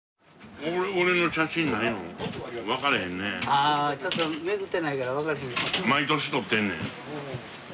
ああちょっとめくってないからわからへん。